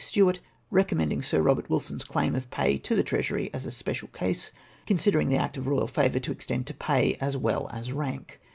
Stewart, recommending Sir Robert Wilson's claim of pay to the Treasury as a special case, considering the act of Royal favour to contend to pay as luell cts rank.